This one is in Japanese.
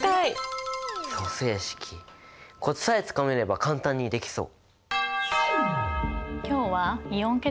組成式コツさえつかめれば簡単にできそう！